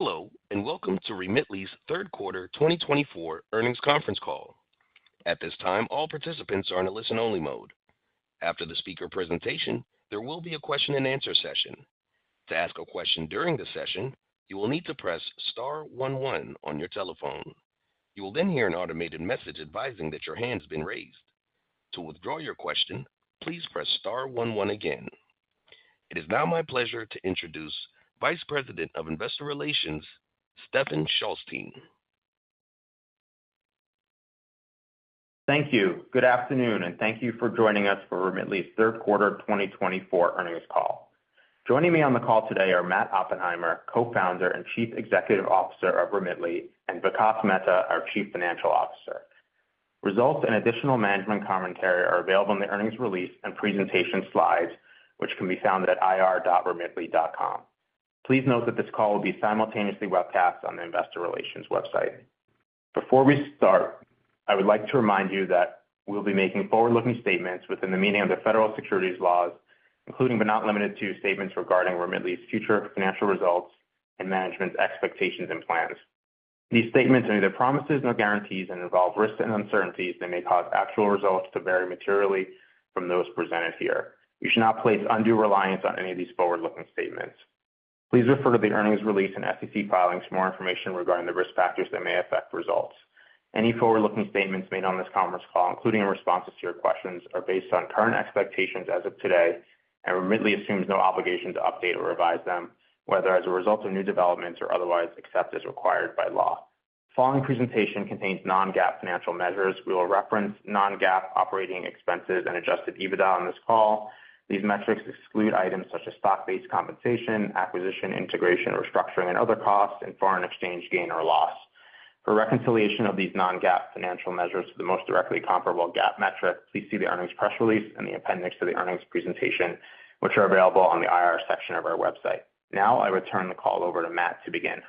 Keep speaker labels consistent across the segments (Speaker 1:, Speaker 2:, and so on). Speaker 1: Hello, and welcome to Remitly's Q3 2024 Earnings Conference Call. At this time, all participants are in a listen-only mode. After the speaker presentation, there will be a question-and-answer session. To ask a question during the session, you will need to press star one one on your telephone. You will then hear an automated message advising that your hand's been raised. To withdraw your question, please press star one one again. It is now my pleasure to introduce Vice President of Investor Relations, Stephen Shulstein.
Speaker 2: Thank you. Good afternoon, and thank you for joining us for Remitly's Q3 2024 Earnings Call. Joining me on the call today are Matt Oppenheimer, Co-founder and Chief Executive Officer of Remitly, and Vikas Mehta, our Chief Financial Officer. Results and additional management commentary are available in the earnings release and presentation slides, which can be found at ir.remitly.com. Please note that this call will be simultaneously webcast on the Investor Relations website. Before we start, I would like to remind you that we'll be making forward-looking statements within the meaning of the federal securities laws, including but not limited to statements regarding Remitly's future financial results and management's expectations and plans. These statements are neither promises nor guarantees and involve risks and uncertainties. They may cause actual results to vary materially from those presented here. You should not place undue reliance on any of these forward-looking statements. Please refer to the earnings release and SEC filings for more information regarding the risk factors that may affect results. Any forward-looking statements made on this conference call, including responses to your questions, are based on current expectations as of today, and Remitly assumes no obligation to update or revise them, whether as a result of new developments or otherwise, except as required by law. The following presentation contains non-GAAP financial measures. We will reference non-GAAP operating expenses and adjusted EBITDA on this call. These metrics exclude items such as stock-based compensation, acquisition, integration, or structuring and other costs, and foreign exchange gain or loss. For reconciliation of these non-GAAP financial measures to the most directly comparable GAAP metric, please see the earnings press release and the appendix to the earnings presentation, which are available on the IR section of our website. Now, I return the call over to Matt to begin.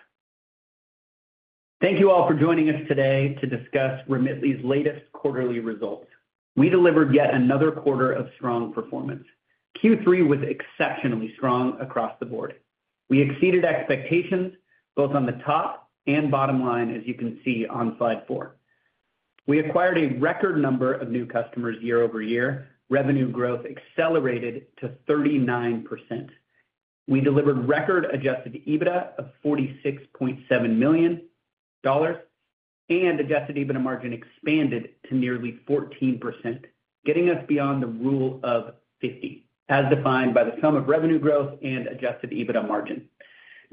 Speaker 3: Thank you all for joining us today to discuss Remitly's latest quarterly results. We delivered yet another quarter of strong performance. Q3 was exceptionally strong across the board. We exceeded expectations both on the top and bottom line, as you can see on slide four. We acquired a record number of new customers year over year. Revenue growth accelerated to 39%. We delivered record Adjusted EBITDA of $46.7 million, and Adjusted EBITDA margin expanded to nearly 14%, getting us beyond the Rule of 50, as defined by the sum of revenue growth and Adjusted EBITDA margin.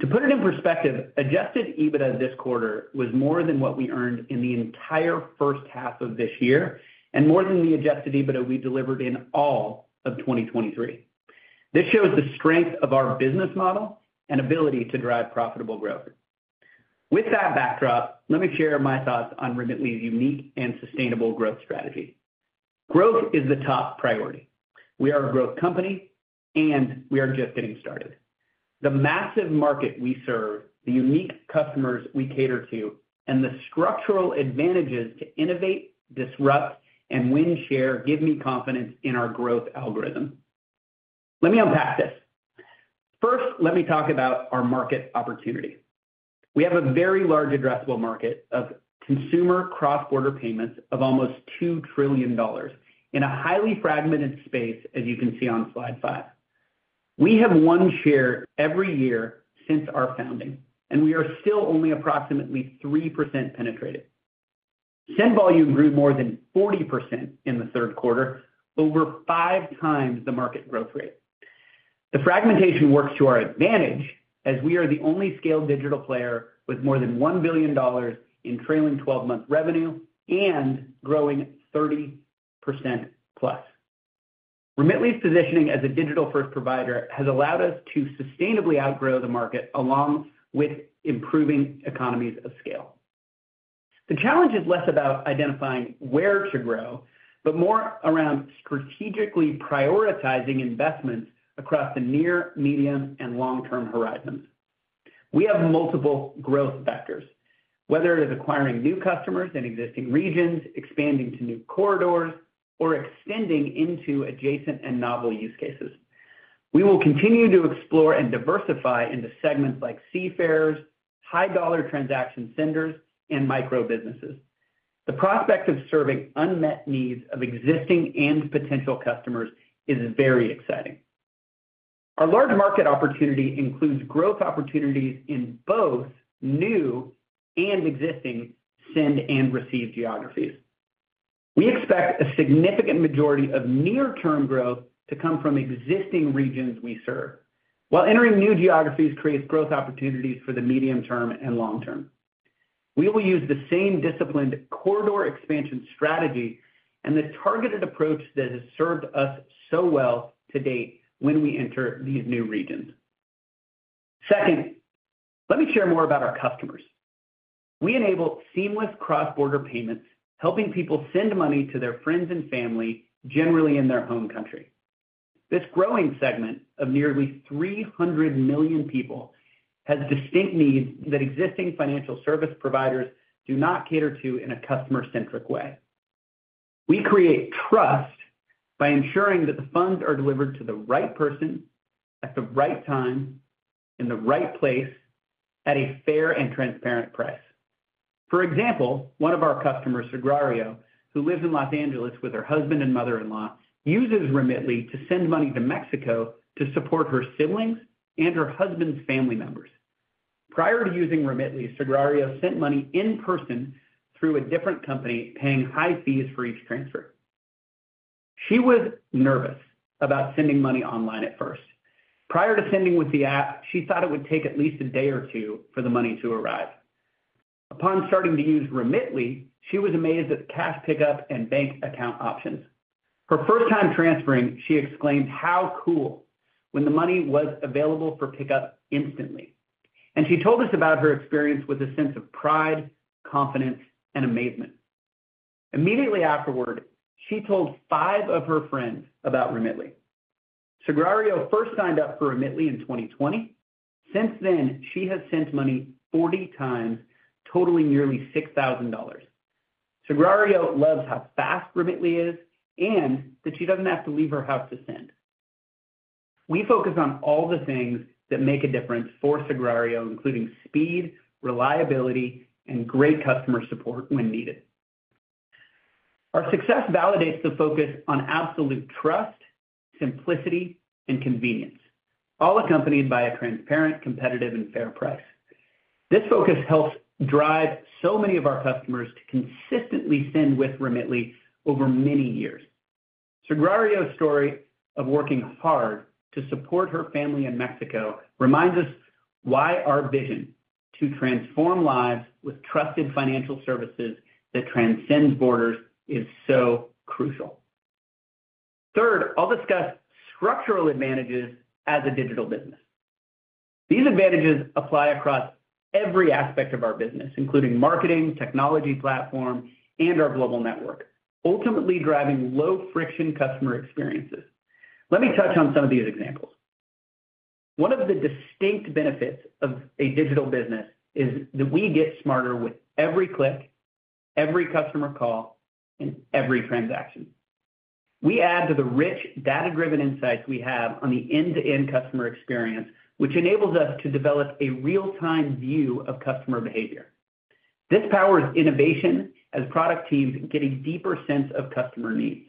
Speaker 3: To put it in perspective, Adjusted EBITDA this quarter was more than what we earned in the entire first half of this year and more than the Adjusted EBITDA we delivered in all of 2023. This shows the strength of our business model and ability to drive profitable growth. With that backdrop, let me share my thoughts on Remitly's unique and sustainable growth strategy. Growth is the top priority. We are a growth company, and we are just getting started. The massive market we serve, the unique customers we cater to, and the structural advantages to innovate, disrupt, and win share give me confidence in our growth algorithm. Let me unpack this. First, let me talk about our market opportunity. We have a very large addressable market of consumer cross-border payments of almost $2 trillion in a highly fragmented space, as you can see on slide five. We have won share every year since our founding, and we are still only approximately 3% penetrated. Send volume grew more than 40% in Q3, over five times the market growth rate. The fragmentation works to our advantage as we are the only scaled digital player with more than $1 billion in trailing 12-month revenue and growing 30% plus. Remitly's positioning as a digital-first provider has allowed us to sustainably outgrow the market along with improving economies of scale. The challenge is less about identifying where to grow, but more around strategically prioritizing investments across the near, medium, and long-term horizons. We have multiple growth vectors, whether it is acquiring new customers in existing regions, expanding to new corridors, or extending into adjacent and novel use cases. We will continue to explore and diversify into segments like seafarers, high-dollar transaction centers, and micro-businesses. The prospect of serving unmet needs of existing and potential customers is very exciting. Our large market opportunity includes growth opportunities in both new and existing send and receive geographies. We expect a significant majority of near-term growth to come from existing regions we serve, while entering new geographies creates growth opportunities for the medium term and long term. We will use the same disciplined corridor expansion strategy and the targeted approach that has served us so well to date when we enter these new regions. Second, let me share more about our customers. We enable seamless cross-border payments, helping people send money to their friends and family generally in their home country. This growing segment of nearly 300 million people has distinct needs that existing financial service providers do not cater to in a customer-centric way. We create trust by ensuring that the funds are delivered to the right person at the right time in the right place at a fair and transparent price. For example, one of our customers, Sagrario, who lives in Los Angeles with her husband and mother-in-law, uses Remitly to send money to Mexico to support her siblings and her husband's family members. Prior to using Remitly, Sagrario sent money in person through a different company, paying high fees for each transfer. She was nervous about sending money online at first. Prior to sending with the app, she thought it would take at least a day or two for the money to arrive. Upon starting to use Remitly, she was amazed at the cash pickup and bank account options. Her first time transferring, she exclaimed, "How cool," when the money was available for pickup instantly, and she told us about her experience with a sense of pride, confidence, and amazement. Immediately afterward, she told five of her friends about Remitly. Sagrario first signed up for Remitly in 2020. Since then, she has sent money 40 times, totaling nearly $6,000. Sagrario loves how fast Remitly is and that she doesn't have to leave her house to send. We focus on all the things that make a difference for Sagrario, including speed, reliability, and great customer support when needed. Our success validates the focus on absolute trust, simplicity, and convenience, all accompanied by a transparent, competitive, and fair price. This focus helps drive so many of our customers to consistently send with Remitly over many years. Sagrario's story of working hard to support her family in Mexico reminds us why our vision to transform lives with trusted financial services that transcends borders is so crucial. Third, I'll discuss structural advantages as a digital business. These advantages apply across every aspect of our business, including marketing, technology platform, and our global network, ultimately driving low-friction customer experiences. Let me touch on some of these examples. One of the distinct benefits of a digital business is that we get smarter with every click, every customer call, and every transaction. We add to the rich data-driven insights we have on the end-to-end customer experience, which enables us to develop a real-time view of customer behavior. This powers innovation as product teams get a deeper sense of customer needs.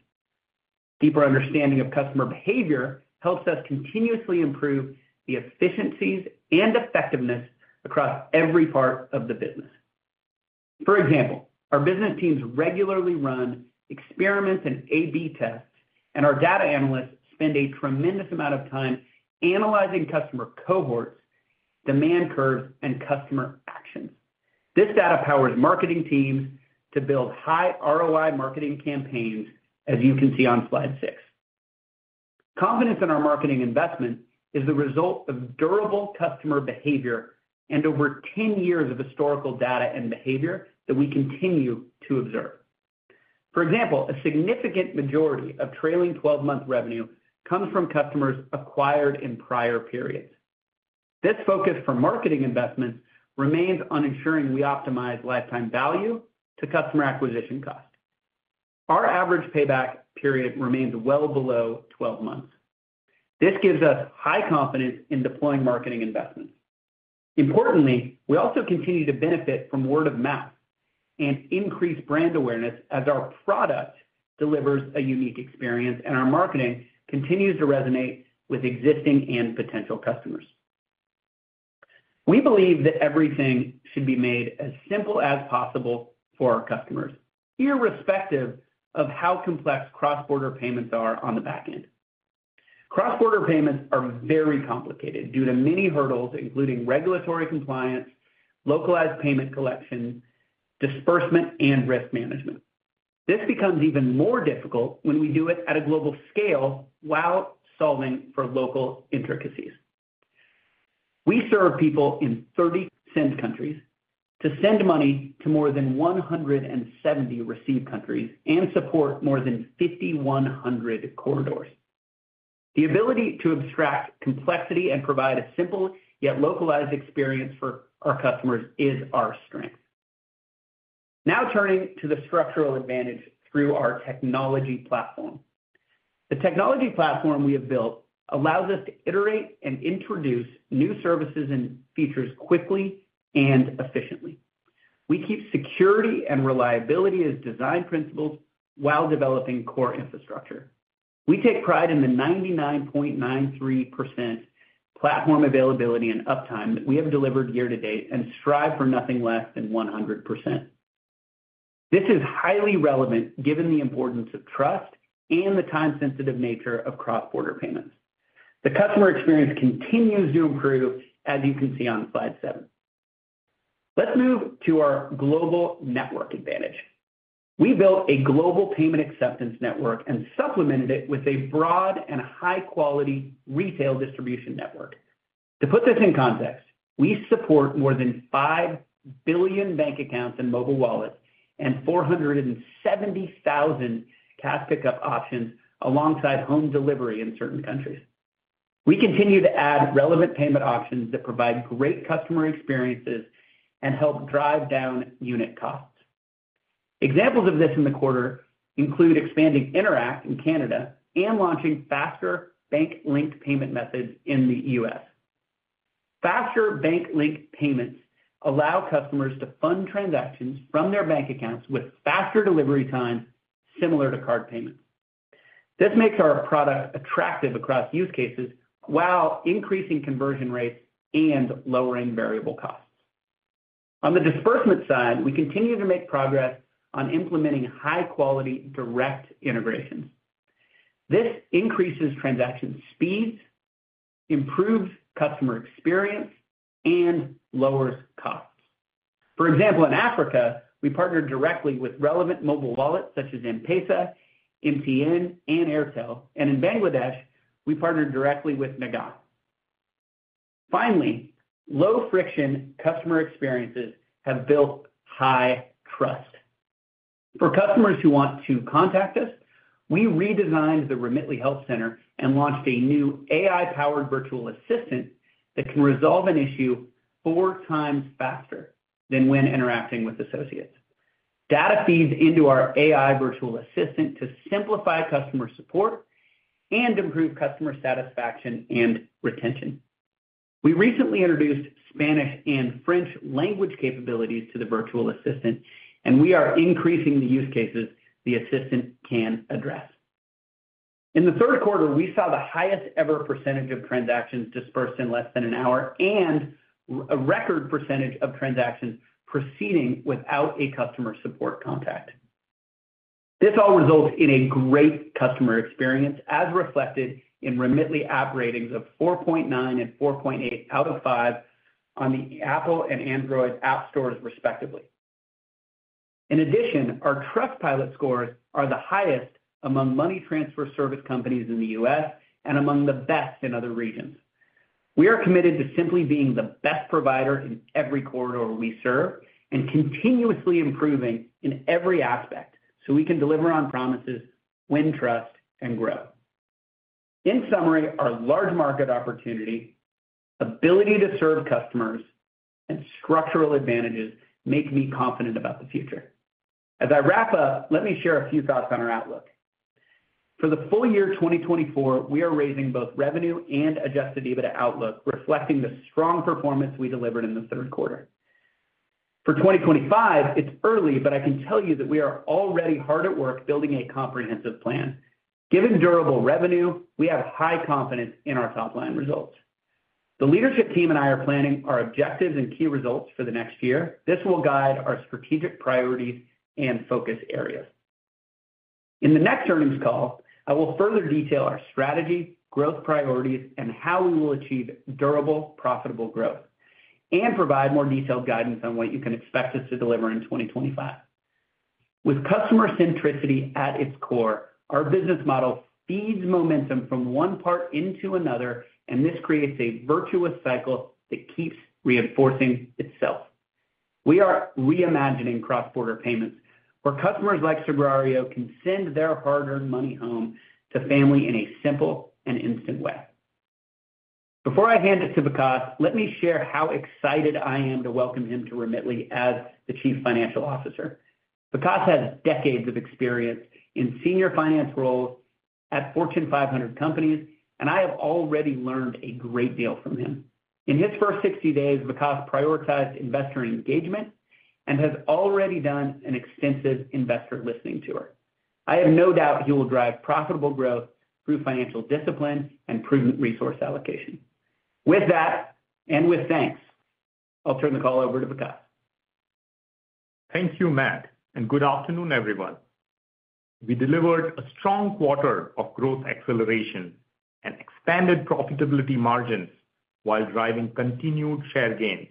Speaker 3: Deeper understanding of customer behavior helps us continuously improve the efficiencies and effectiveness across every part of the business. For example, our business teams regularly run experiments and A/B tests, and our data analysts spend a tremendous amount of time analyzing customer cohorts, demand curves, and customer actions. This data powers marketing teams to build high ROI marketing campaigns, as you can see on slide six. Confidence in our marketing investment is the result of durable customer behavior and over 10 years of historical data and behavior that we continue to observe. For example, a significant majority of trailing 12-month revenue comes from customers acquired in prior periods. This focus for marketing investments remains on ensuring we optimize lifetime value to customer acquisition cost. Our average payback period remains well below 12 months. This gives us high confidence in deploying marketing investments. Importantly, we also continue to benefit from word of mouth and increased brand awareness as our product delivers a unique experience and our marketing continues to resonate with existing and potential customers. We believe that everything should be made as simple as possible for our customers, irrespective of how complex cross-border payments are on the back end. Cross-border payments are very complicated due to many hurdles, including regulatory compliance, localized payment collection, disbursement, and risk management. This becomes even more difficult when we do it at a global scale while solving for local intricacies. We serve people in 36 send countries to send money to more than 170 receive countries and support more than 5,100 corridors. The ability to abstract complexity and provide a simple yet localized experience for our customers is our strength. Now turning to the structural advantage through our technology platform. The technology platform we have built allows us to iterate and introduce new services and features quickly and efficiently. We keep security and reliability as design principles while developing core infrastructure. We take pride in the 99.93% platform availability and uptime that we have delivered year to date and strive for nothing less than 100%. This is highly relevant given the importance of trust and the time-sensitive nature of cross-border payments. The customer experience continues to improve, as you can see on slide seven. Let's move to our global network advantage. We built a global payment acceptance network and supplemented it with a broad and high-quality retail distribution network. To put this in context, we support more than 5 billion bank accounts and mobile wallets and 470,000 cash pickup options alongside home delivery in certain countries. We continue to add relevant payment options that provide great customer experiences and help drive down unit costs. Examples of this in the quarter include expanding Interac in Canada and launching faster bank-linked payment methods in the U.S. Faster bank-linked payments allow customers to fund transactions from their bank accounts with faster delivery times similar to card payments. This makes our product attractive across use cases while increasing conversion rates and lowering variable costs. On the disbursement side, we continue to make progress on implementing high-quality direct integrations. This increases transaction speeds, improves customer experience, and lowers costs. For example, in Africa, we partner directly with relevant mobile wallets such as M-Pesa, MTN, and Airtel, and in Bangladesh, we partner directly with Nagad. Finally, low-friction customer experiences have built high trust. For customers who want to contact us, we redesigned the Remitly Help Center and launched a new AI-powered virtual assistant that can resolve an issue four times faster than when interacting with associates. Data feeds into our AI virtual assistant to simplify customer support and improve customer satisfaction and retention. We recently introduced Spanish and French language capabilities to the virtual assistant, and we are increasing the use cases the assistant can address. In Q3, we saw the highest-ever percentage of transactions dispersed in less than an hour and a record percentage of transactions proceeding without a customer support contact. This all results in a great customer experience, as reflected in Remitly App ratings of 4.9 and 4.8 out of five on the Apple and Android app stores, respectively. In addition, our Trustpilot scores are the highest among money transfer service companies in the U.S. and among the best in other regions. We are committed to simply being the best provider in every corridor we serve and continuously improving in every aspect so we can deliver on promises, win trust, and grow. In summary, our large market opportunity, ability to serve customers, and structural advantages make me confident about the future. As I wrap up, let me share a few thoughts on our outlook. For the full year 2024, we are raising both revenue and Adjusted EBITDA outlook, reflecting the strong performance we delivered in Q3. For 2025, it's early, but I can tell you that we are already hard at work building a comprehensive plan. Given durable revenue, we have high confidence in our top-line results. The leadership team and I are planning our objectives and key results for the next year. This will guide our strategic priorities and focus areas. In the next earnings call, I will further detail our strategy, growth priorities, and how we will achieve durable, profitable growth and provide more detailed guidance on what you can expect us to deliver in 2025. With customer centricity at its core, our business model feeds momentum from one part into another, and this creates a virtuous cycle that keeps reinforcing itself. We are reimagining cross-border payments where customers like Sagrario can send their hard-earned money home to family in a simple and instant way. Before I hand it to Vikas, let me share how excited I am to welcome him to Remitly as the Chief Financial Officer. Vikas has decades of experience in senior finance roles at Fortune 500 companies, and I have already learned a great deal from him. In his first 60 days, Vikas prioritized investor engagement and has already done an extensive investor listening tour. I have no doubt he will drive profitable growth through financial discipline and prudent resource allocation. With that, and with thanks, I'll turn the call over to Vikas.
Speaker 4: Thank you, Matt, and good afternoon, everyone. We delivered a strong quarter of growth acceleration and expanded profitability margins while driving continued share gains.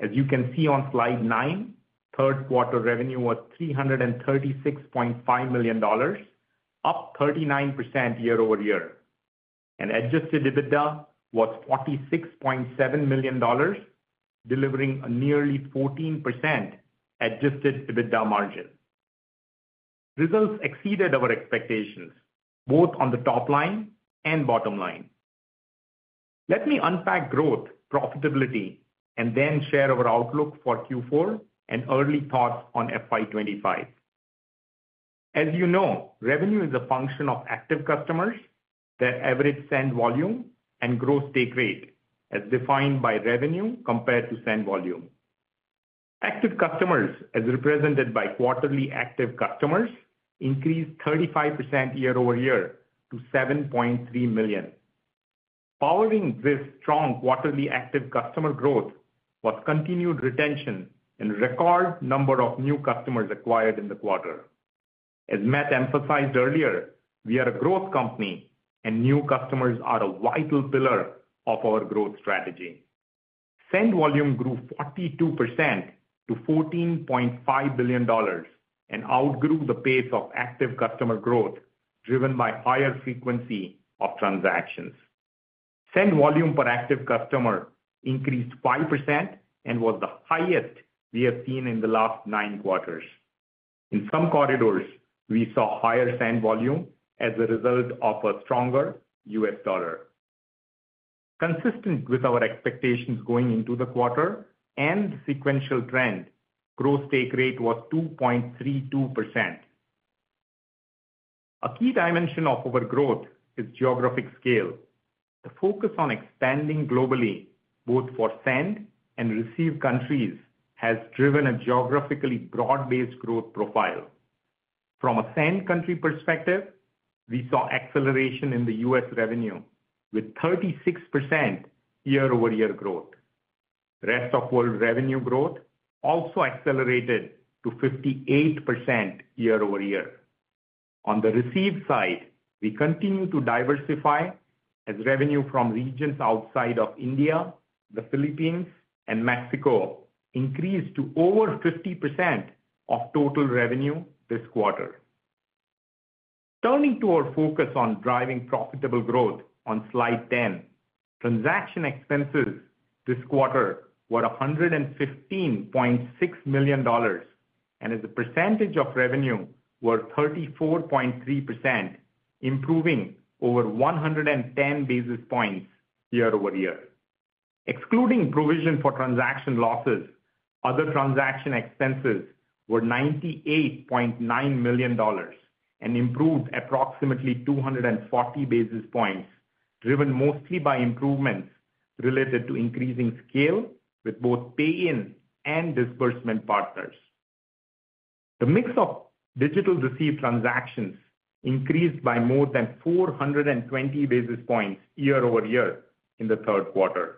Speaker 4: As you can see on slide nine, Q3 revenue was $336.5 million, up 39% year over year, and Adjusted EBITDA was $46.7 million, delivering a nearly 14% Adjusted EBITDA margin. Results exceeded our expectations, both on the top line and bottom line. Let me unpack growth, profitability, and then share our outlook for Q4 and early thoughts on FY2025. As you know, revenue is a function of active customers, their average send volume, and Gross Take Rate, as defined by revenue compared to send volume. Active customers, as represented by Quarterly Active Customers, increased 35% year over year to 7.3 million. Powering this strong Quarterly Active Customer growth was continued retention and record number of new customers acquired in the quarter. As Matt emphasized earlier, we are a growth company, and new customers are a vital pillar of our growth strategy. Send volume grew 42% to $14.5 billion and outgrew the pace of active customer growth driven by higher frequency of transactions. Send volume per active customer increased 5% and was the highest we have seen in the last nine quarters. In some corridors, we saw higher send volume as a result of a stronger U.S. dollar. Consistent with our expectations going into the quarter and the sequential trend, gross take rate was 2.32%. A key dimension of our growth is geographic scale. The focus on expanding globally, both for send and receive countries, has driven a geographically broad-based growth profile. From a send country perspective, we saw acceleration in the U.S. revenue with 36% year-over-year growth. Rest of world revenue growth also accelerated to 58% year-over-year. On the receive side, we continue to diversify as revenue from regions outside of India, the Philippines, and Mexico increased to over 50% of total revenue this quarter. Turning to our focus on driving profitable growth on slide 10, transaction expenses this quarter were $115.6 million and, as a percentage of revenue, were 34.3%, improving over 110 basis points year-over-year. Excluding provision for transaction losses, other transaction expenses were $98.9 million and improved approximately 240 basis points, driven mostly by improvements related to increasing scale with both pay-in and disbursement partners. The mix of digital receive transactions increased by more than 420 basis points year-over-year in the Q3.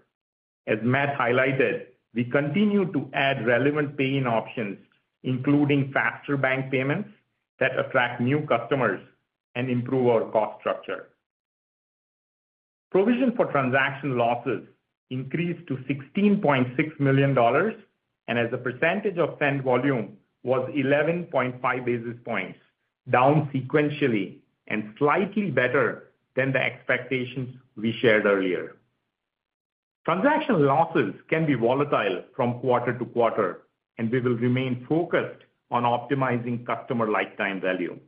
Speaker 4: As Matt highlighted, we continue to add relevant paying options, including faster bank payments that attract new customers and improve our cost structure. Provision for transaction losses increased to $16.6 million and, as a percentage of send volume, was 11.5 basis points, down sequentially and slightly better than the expectations we shared earlier. Transaction losses can be volatile from quarter to quarter, and we will remain focused on optimizing customer lifetime value.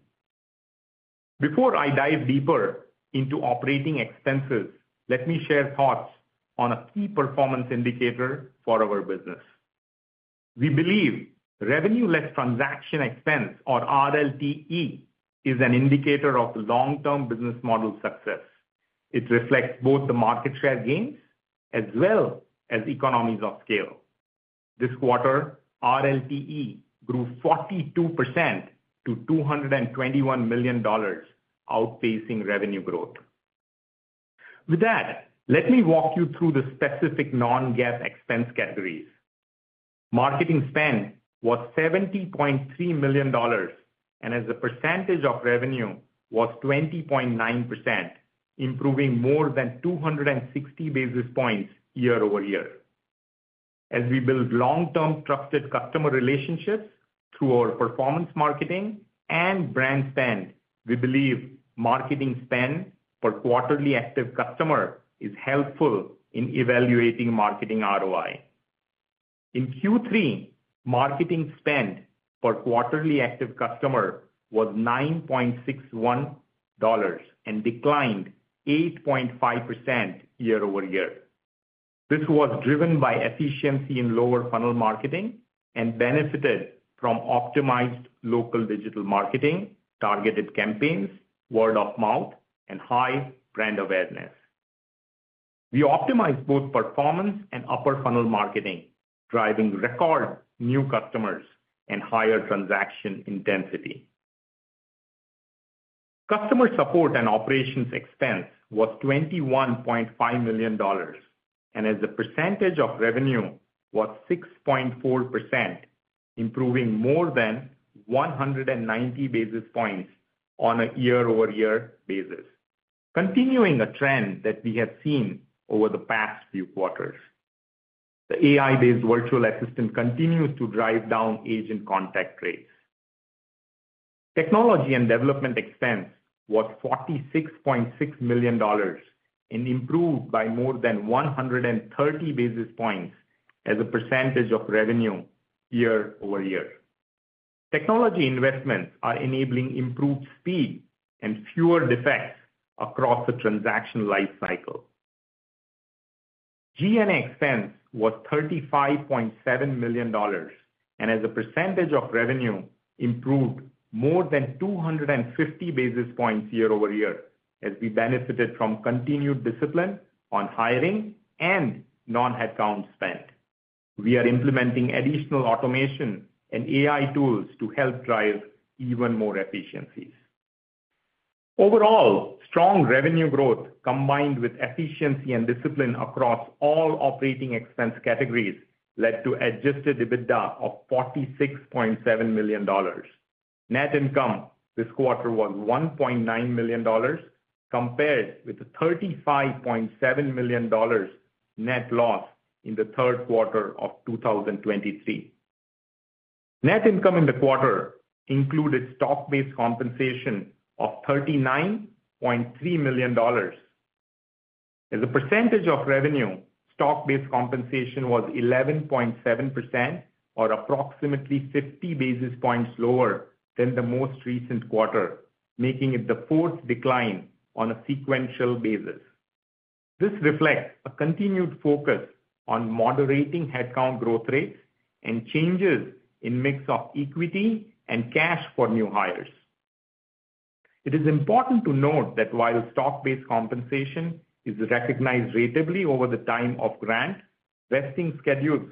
Speaker 4: Before I dive deeper into operating expenses, let me share thoughts on a key performance indicator for our business. We believe revenue-led transaction expense, or RLTE, is an indicator of the long-term business model success. It reflects both the market share gains as well as economies of scale. This quarter, RLTE grew 42% to $221 million, outpacing revenue growth. With that, let me walk you through the specific Non-GAAP expense categories. Marketing spend was $70.3 million and, as a percentage of revenue, was 20.9%, improving more than 260 basis points year-over-year. As we build long-term trusted customer relationships through our performance marketing and brand spend, we believe marketing spend per quarterly active customer is helpful in evaluating marketing ROI. In Q3, marketing spend per quarterly active customer was $9.61 and declined 8.5% year-over-year. This was driven by efficiency in lower funnel marketing and benefited from optimized local digital marketing, targeted campaigns, word-of-mouth, and high brand awareness. We optimized both performance and upper funnel marketing, driving record new customers and higher transaction intensity. Customer support and operations expense was $21.5 million and, as a percentage of revenue, was 6.4%, improving more than 190 basis points on a year-over-year basis, continuing a trend that we have seen over the past few quarters. The AI-based virtual assistant continues to drive down agent contact rates. Technology and development expense was $46.6 million and improved by more than 130 basis points as a percentage of revenue year-over-year. Technology investments are enabling improved speed and fewer defects across the transaction lifecycle. G&A expense was $35.7 million and, as a percentage of revenue, improved more than 250 basis points year-over-year as we benefited from continued discipline on hiring and non-headcount spend. We are implementing additional automation and AI tools to help drive even more efficiencies. Overall, strong revenue growth combined with efficiency and discipline across all operating expense categories led to Adjusted EBITDA of $46.7 million. Net income this quarter was $1.9 compared with the 35.7 million net loss in the Q3 of 2023. Net income in the quarter included stock-based compensation of $39.3 million. As a percentage of revenue, stock-based compensation was 11.7%, or approximately 50 basis points lower than the most recent quarter, making it the fourth decline on a sequential basis. This reflects a continued focus on moderating headcount growth rates and changes in mix of equity and cash for new hires. It is important to note that while stock-based compensation is recognized ratably over the time of grant, vesting schedules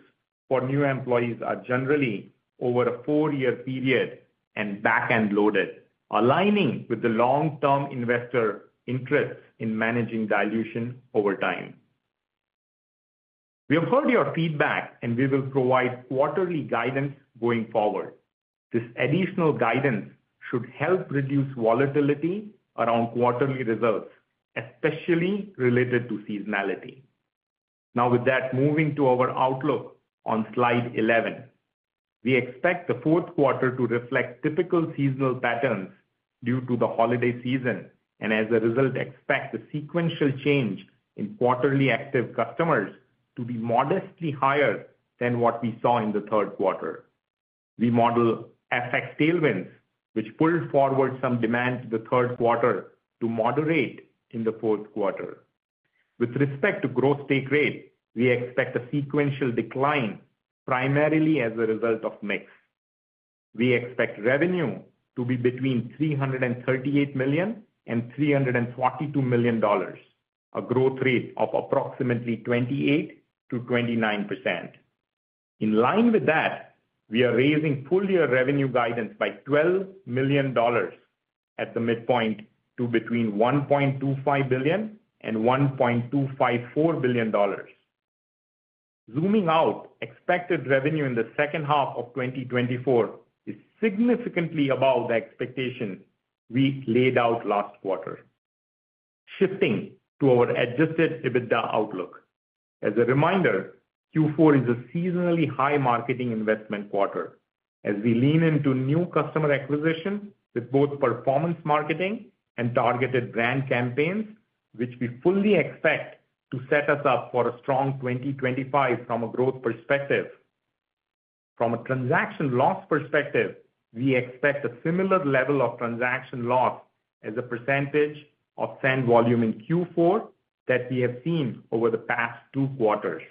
Speaker 4: for new employees are generally over a four-year period and back-end loaded, aligning with the long-term investor interests in managing dilution over time. We have heard your feedback, and we will provide quarterly guidance going forward. This additional guidance should help reduce volatility around quarterly results, especially related to seasonality. Now, with that, moving to our outlook on slide 11. We expect the Q4 to reflect typical seasonal patterns due to the holiday season and, as a result, expect the sequential change in quarterly active customers to be modestly higher than what we saw in Q3. We model FX tailwinds, which pulled forward some demand to the Q3 to moderate in the Q4. With respect to gross take rate, we expect a sequential decline primarily as a result of mix. We expect revenue to be between $338 and 342 million, a growth rate of approximately 28%-29%. In line with that, we are raising full-year revenue guidance by $12 million at the midpoint to between $1.25 and 1.254 billion. Zooming out, expected revenue in the second half of 2024 is significantly above the expectations we laid out last quarter. Shifting to our Adjusted EBITDA outlook. As a reminder, Q4 is a seasonally high marketing investment quarter as we lean into new customer acquisition with both performance marketing and targeted brand campaigns, which we fully expect to set us up for a strong 2025 from a growth perspective. From a transaction loss perspective, we expect a similar level of transaction loss as a percentage of send volume in Q4 that we have seen over the past two quarters.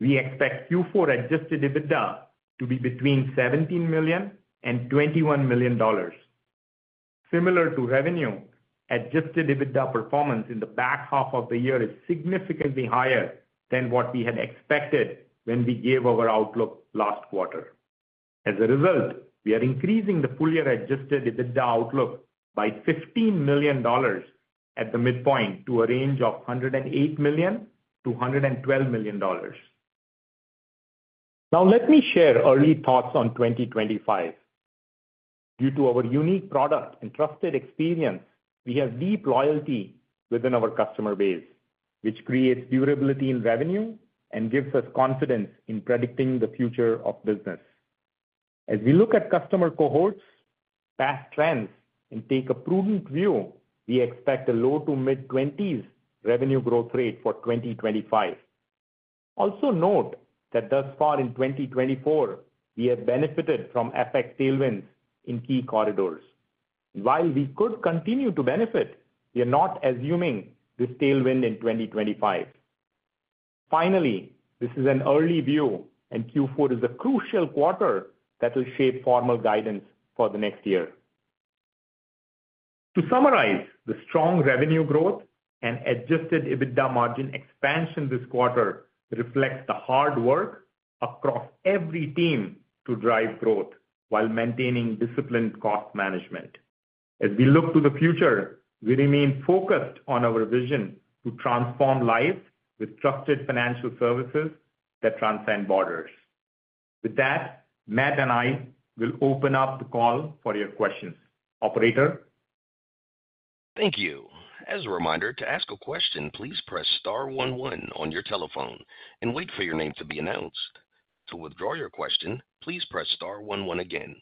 Speaker 4: We expect Q4 Adjusted EBITDA to be between $17 and 21 million. Similar to revenue, Adjusted EBITDA performance in the back half of the year is significantly higher than what we had expected when we gave our outlook last quarter. As a result, we are increasing the full-year Adjusted EBITDA outlook by $15 million at the midpoint to a range of $108 to 112 million. Now, let me share early thoughts on 2025. Due to our unique product and trusted experience, we have deep loyalty within our customer base, which creates durability in revenue and gives us confidence in predicting the future of business. As we look at customer cohorts, past trends, and take a prudent view, we expect a low to mid-20s revenue growth rate for 2025. Also note that thus far in 2024, we have benefited from FX tailwinds in key corridors. While we could continue to benefit, we are not assuming this tailwind in 2025. Finally, this is an early view, and Q4 is a crucial quarter that will shape formal guidance for the next year. To summarize, the strong revenue growth and adjusted EBITDA margin expansion this quarter reflects the hard work across every team to drive growth while maintaining disciplined cost management. As we look to the future, we remain focused on our vision to transform lives with trusted financial services that transcend borders. With that, Matt and I will open up the call for your questions. Operator.
Speaker 1: Thank you. As a reminder, to ask a question, please press star one one on your telephone and wait for your name to be announced. To withdraw your question, please press star one one again.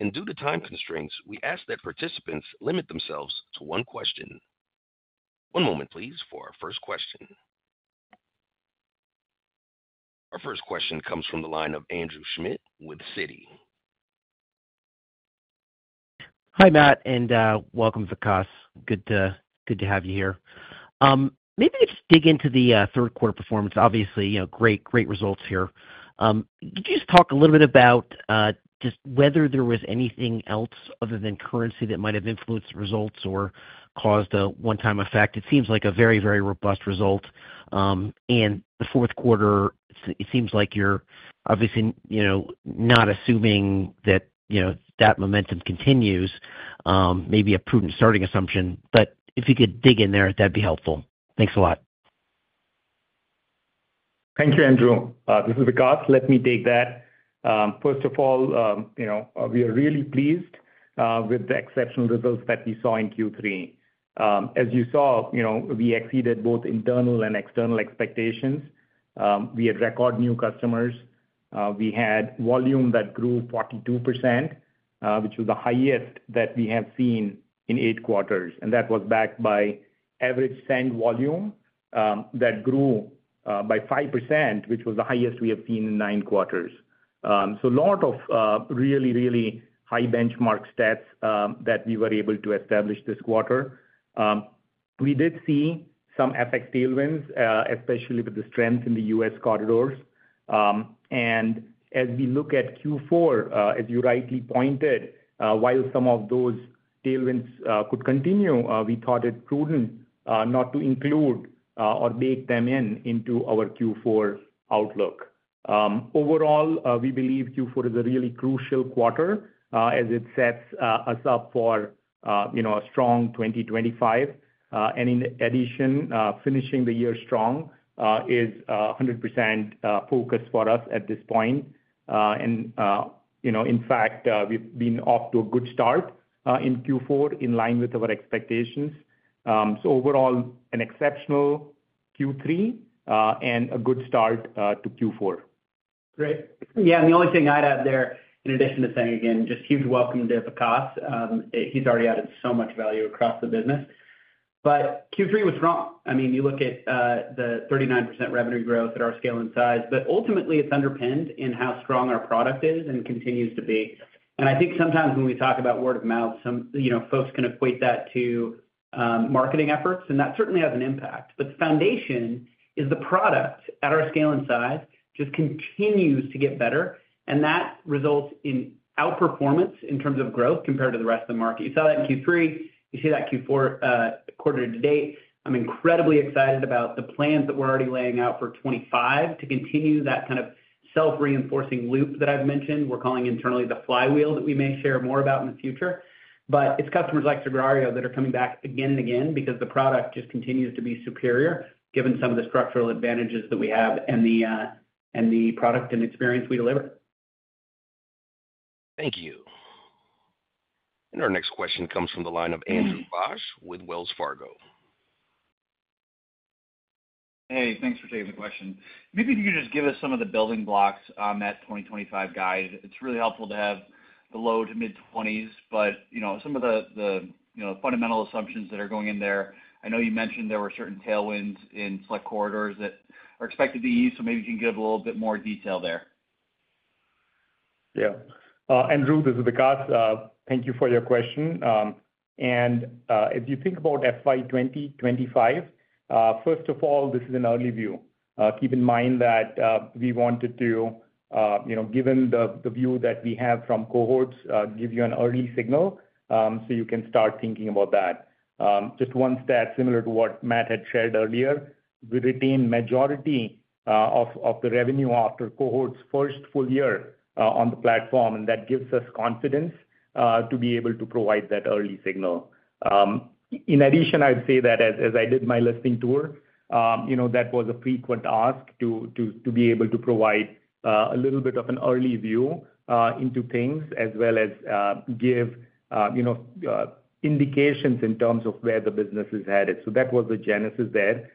Speaker 1: And due to time constraints, we ask that participants limit themselves to one question. One moment, please, for our first question. Our first question comes from the line of Andrew Schmidt with Citi.
Speaker 5: Hi, Matt, and welcome, Vikas. Good to have you here. Maybe let's dig into Q3 performance. Obviously, great results here. Could you just talk a little bit about just whether there was anything else other than currency that might have influenced the results or caused a one-time effect? It seems like a very, very robust result, and Q4, it seems like you're obviously not assuming that that momentum continues. Maybe a prudent starting assumption. But if you could dig in there, that'd be helpful. Thanks a lot.
Speaker 4: Thank you, Andrew. This is Vikas. Let me take that. First of all, we are really pleased with the exceptional results that we saw in Q3. As you saw, we exceeded both internal and external expectations. We had record new customers. We had volume that grew 42%, which was the highest that we have seen in eight quarters, and that was backed by average send volume that grew by 5%, which was the highest we have seen in nine quarters. So a lot of really, really high benchmark stats that we were able to establish this quarter. We did see some FX tailwinds, especially with the strength in the U.S. corridors. And as we look at Q4, as you rightly pointed, while some of those tailwinds could continue, we thought it prudent not to include or bake them into our Q4 outlook. Overall, we believe Q4 is a really crucial quarter as it sets us up for a strong 2025. And in addition, finishing the year strong is 100% focus for us at this point. And in fact, we've been off to a good start in Q4 in line with our expectations. So overall, an exceptional Q3 and a good start to Q4.
Speaker 3: Great. Yeah. And the only thing I'd add there, in addition to saying again, just huge welcome to Vikas. He's already added so much value across the business. But Q3 was strong. I mean, you look at the 39% revenue growth at our scale and size, but ultimately, it's underpinned in how strong our product is and continues to be. And I think sometimes when we talk about word-of-mouth, folks can equate that to marketing efforts, and that certainly has an impact. But the foundation is the product at our scale and size just continues to get better, and that results in outperformance in terms of growth compared to the rest of the market. You saw that in Q3. You see that Q4 quarter to date. I'm incredibly excited about the plans that we're already laying out for 2025 to continue that kind of self-reinforcing loop that I've mentioned. We're calling internally the flywheel that we may share more about in the future. But it's customers like Sagrario that are coming back again and again because the product just continues to be superior given some of the structural advantages that we have and the product and experience we deliver.
Speaker 1: Thank you. And our next question comes from the line of Andrew Bauch with Wells Fargo.
Speaker 6: Hey, thanks for taking the question. Maybe if you could just give us some of the building blocks on that 2025 guide. It's really helpful to have the low- to mid-20s, but some of the fundamental assumptions that are going in there. I know you mentioned there were certain tailwinds in select corridors that are expected to ease, so maybe you can give a little bit more detail there.
Speaker 4: Yeah. Andrew, this is Vikas. Thank you for your question. And if you think about FY 2025, first of all, this is an early view. Keep in mind that we wanted to, given the view that we have from cohorts, give you an early signal so you can start thinking about that. Just one stat similar to what Matt had shared earlier. We retain majority of the revenue after cohorts' first full year on the platform, and that gives us confidence to be able to provide that early signal. In addition, I'd say that as I did my listing tour, that was a frequent ask to be able to provide a little bit of an early view into things as well as give indications in terms of where the business is headed. So that was the genesis there.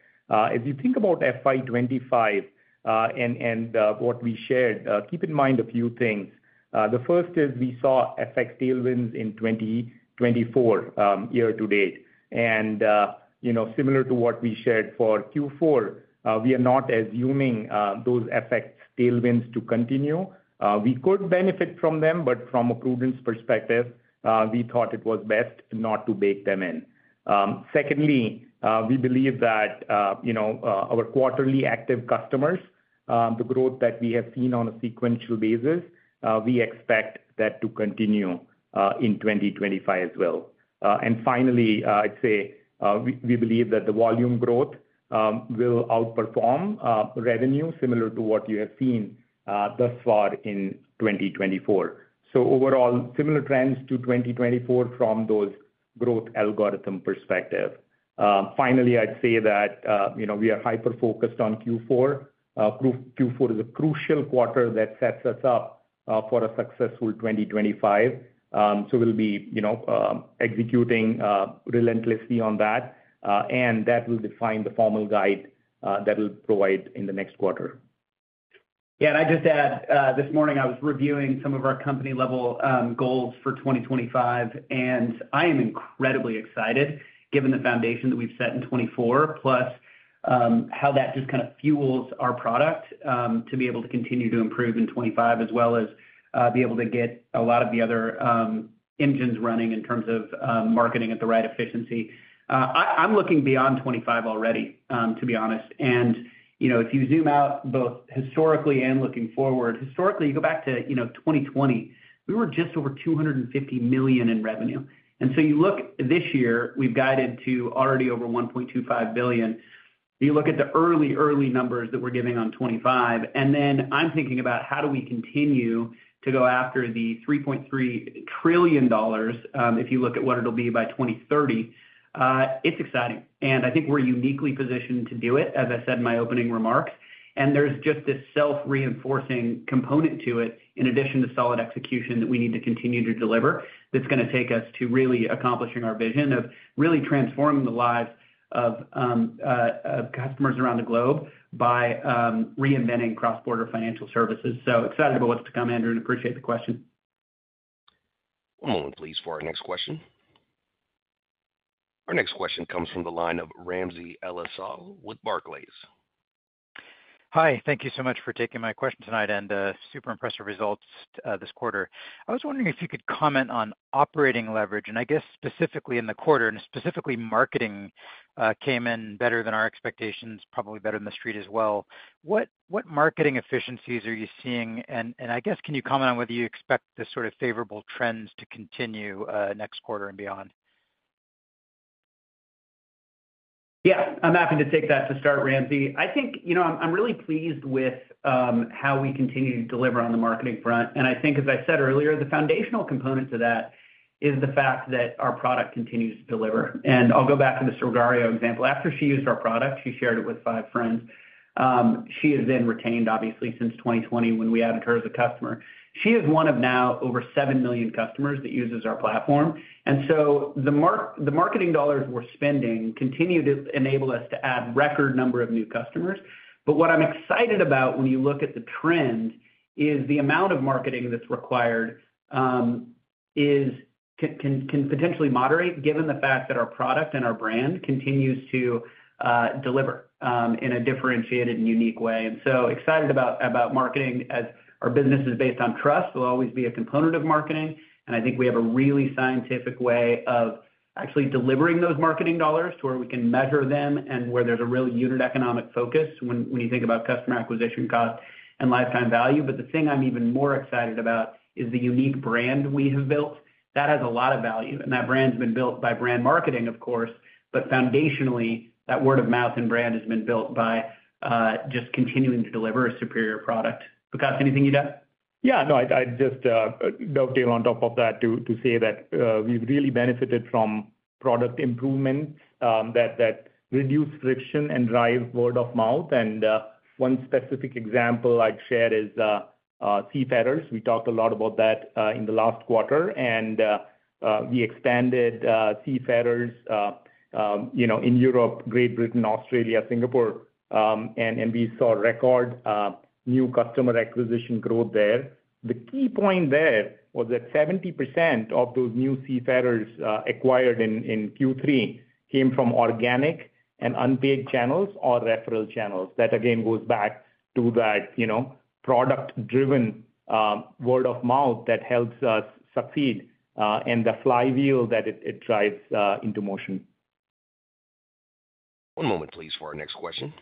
Speaker 4: If you think about FY 2025 and what we shared, keep in mind a few things. The first is we saw FX tailwinds in 2024 year to date. Similar to what we shared for Q4, we are not assuming those FX tailwinds to continue. We could benefit from them, but from a prudence perspective, we thought it was best not to bake them in. Secondly, we believe that our quarterly active customers, the growth that we have seen on a sequential basis, we expect that to continue in 2025 as well. Finally, I'd say we believe that the volume growth will outperform revenue similar to what you have seen thus far in 2024. Overall, similar trends to 2024 from those growth algorithm perspective. Finally, I'd say that we are hyper-focused on Q4. Q4 is a crucial quarter that sets us up for a successful 2025. We'll be executing relentlessly on that, and that will define the formal guide that we'll provide in the next quarter.
Speaker 3: Yeah. And I'd just add, this morning, I was reviewing some of our company-level goals for 2025, and I am incredibly excited given the foundation that we've set in 2024, plus how that just kind of fuels our product to be able to continue to improve in 2025 as well as be able to get a lot of the other engines running in terms of marketing at the right efficiency. I'm looking beyond 2025 already, to be honest. And if you zoom out both historically and looking forward, historically, you go back to 2020, we were just over $250 million in revenue. And so you look this year, we've guided to already over $1.25 billion. You look at the early, early numbers that we're giving on 2025, and then I'm thinking about how do we continue to go after the $3.3 trillion if you look at what it'll be by 2030. It's exciting, and I think we're uniquely positioned to do it, as I said in my opening remarks, and there's just this self-reinforcing component to it in addition to solid execution that we need to continue to deliver that's going to take us to really accomplishing our vision of really transforming the lives of customers around the globe by reinventing cross-border financial services, so excited about what's to come, Andrew, and appreciate the question.
Speaker 1: One moment, please, for our next question. Our next question comes from the line of Ramsey El-Assal with Barclays.
Speaker 7: Hi. Thank you so much for taking my question tonight and super impressive results this quarter. I was wondering if you could comment on operating leverage, and I guess specifically in the quarter and specifically marketing came in better than our expectations, probably better than the street as well. What marketing efficiencies are you seeing? And I guess, can you comment on whether you expect this sort of favorable trends to continue next quarter and beyond?
Speaker 3: Yeah. I'm happy to take that to start, Ramsey. I think I'm really pleased with how we continue to deliver on the marketing front. And I think, as I said earlier, the foundational component to that is the fact that our product continues to deliver. And I'll go back to the Sagrario example. After she used our product, she shared it with five friends. She has been retained, obviously, since 2020 when we added her as a customer. She is one of now over seven million customers that uses our platform. And so the marketing dollars we're spending continue to enable us to add a record number of new customers. But what I'm excited about when you look at the trend is the amount of marketing that's required can potentially moderate given the fact that our product and our brand continues to deliver in a differentiated and unique way. And so excited about marketing as our business is based on trust will always be a component of marketing. And I think we have a really scientific way of actually delivering those marketing dollars to where we can measure them and where there's a real unit economic focus when you think about customer acquisition cost and lifetime value. But the thing I'm even more excited about is the unique brand we have built. That has a lot of value. And that brand's been built by brand marketing, of course, but foundationally, that word-of-mouth and brand has been built by just continuing to deliver a superior product. Vikas, anything you'd add?
Speaker 4: Yeah. No, I'd just dovetail on top of that to say that we've really benefited from product improvements that reduce friction and drive word-of-mouth, and one specific example I'd share is Seafarers. We talked a lot about that in the last quarter, and we expanded Seafarers in Europe, Great Britain, Australia, Singapore, and we saw record new customer acquisition growth there. The key point there was that 70% of those new Seafarers acquired in Q3 came from organic and unpaid channels or referral channels. That, again, goes back to that product-driven word-of-mouth that helps us succeed and the flywheel that it drives into motion.
Speaker 1: One moment, please, for our next question.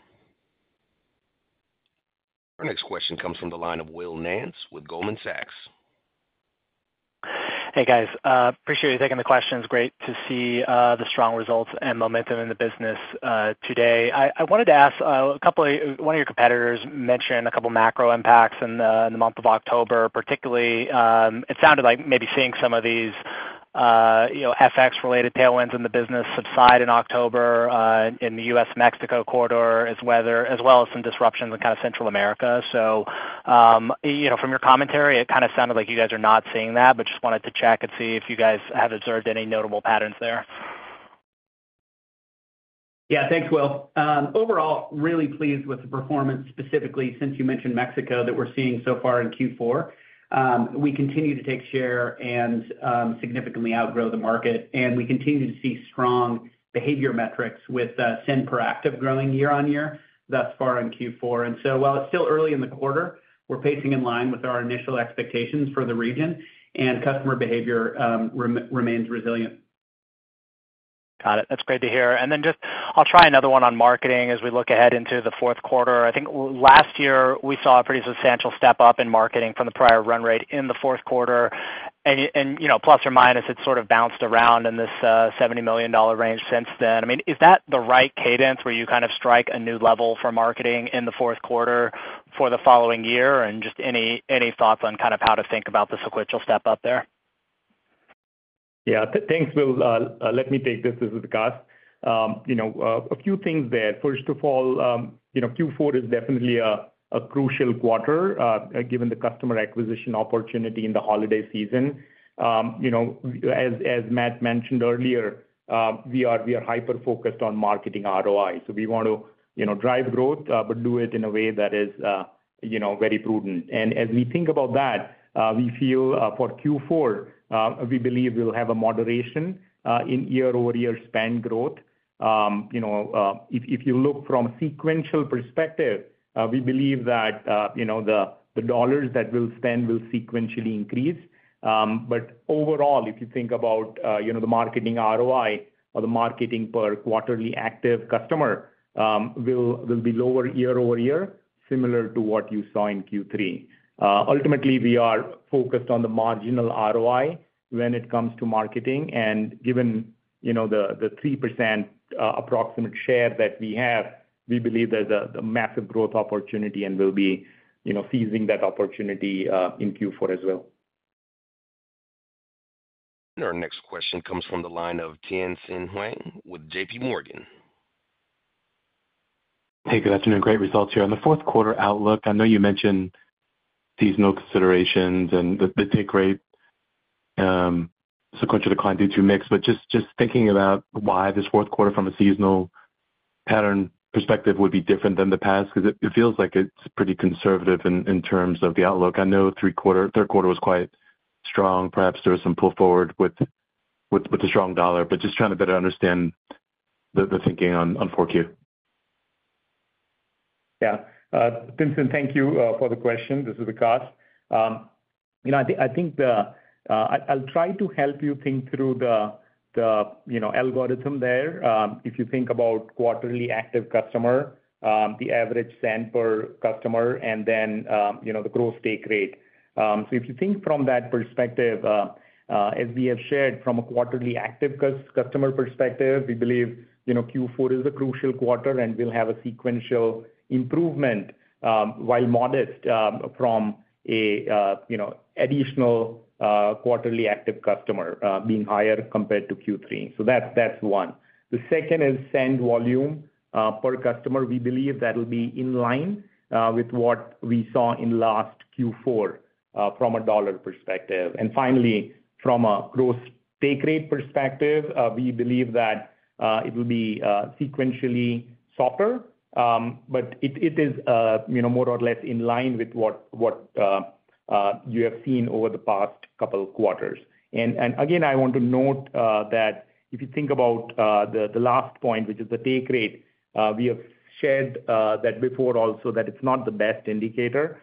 Speaker 1: Our next question comes from the line of Will Nance with Goldman Sachs.
Speaker 8: Hey, guys. Appreciate you taking the questions. Great to see the strong results and momentum in the business today. I wanted to ask one of your competitors mentioned a couple of macro impacts in the month of October. Particularly, it sounded like maybe seeing some of these FX-related tailwinds in the business subside in October in the U.S.-Mexico corridor as well as some disruptions in kind of Central America. So from your commentary, it kind of sounded like you guys are not seeing that, but just wanted to check and see if you guys have observed any notable patterns there.
Speaker 3: Yeah. Thanks, Will. Overall, really pleased with the performance specifically since you mentioned Mexico that we're seeing so far in Q4. We continue to take share and significantly outgrow the market, and we continue to see strong behavior metrics with send per active growing year on year thus far in Q4. And so while it's still early in the quarter, we're pacing in line with our initial expectations for the region, and customer behavior remains resilient.
Speaker 8: Got it. That's great to hear. And then just I'll try another one on marketing as we look ahead into Q4. I think last year, we saw a pretty substantial step up in marketing from the prior run rate in Q4. And plus or minus, it's sort of bounced around in this $70 million range since then. I mean, is that the right cadence where you kind of strike a new level for marketing in Q4 for the following year? And just any thoughts on kind of how to think about the sequential step up there?
Speaker 4: Yeah. Thanks, Will. Let me take this. This is Vikas. A few things there. First of all, Q4 is definitely a crucial quarter given the customer acquisition opportunity in the holiday season. As Matt mentioned earlier, we are hyper-focused on marketing ROI. So we want to drive growth, but do it in a way that is very prudent. And as we think about that, we feel for Q4, we believe we'll have a moderation in year-over-year spend growth. If you look from a sequential perspective, we believe that the dollars that we'll spend will sequentially increase. But overall, if you think about the marketing ROI or the marketing per quarterly active customer, will be lower year-over-year similar to what you saw in Q3. Ultimately, we are focused on the marginal ROI when it comes to marketing. And given the 3% approximate share that we have, we believe there's a massive growth opportunity and we'll be seizing that opportunity in Q4 as well.
Speaker 1: Our next question comes from the line of Tien-tsin Huang with J.P. Morgan.
Speaker 9: Hey, good afternoon. Great results here on the Q4 outlook. I know you mentioned seasonal considerations and the take rate sequential decline due to mix, but just thinking about why this Q4 from a seasonal pattern perspective would be different than the past because it feels like it's pretty conservative in terms of the outlook. I know Q3 was quite strong. Perhaps there was some pull forward with the strong dollar, but just trying to better understand the thinking on Q4.
Speaker 4: Yeah. Tien-tsin, thank you for the question. This is Vikas. I think I'll try to help you think through the algorithm there. If you think about quarterly active customer, the average send per customer, and then the gross take rate. So if you think from that perspective, as we have shared from a quarterly active customer perspective, we believe Q4 is a crucial quarter and we'll have a sequential improvement while modest from an additional quarterly active customer being higher compared to Q3. So that's one. The second is send volume per customer. We believe that will be in line with what we saw in last Q4 from a dollar perspective. And finally, from a gross take rate perspective, we believe that it will be sequentially softer, but it is more or less in line with what you have seen over the past couple of quarters. And again, I want to note that if you think about the last point, which is the take rate, we have shared that before also that it's not the best indicator